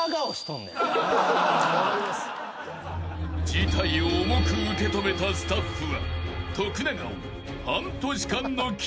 ［事態を重く受け止めたスタッフは］